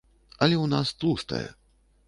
Але ў нас тлустае.